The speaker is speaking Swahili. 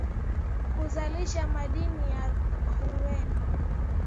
kuzalisha madini ya urenia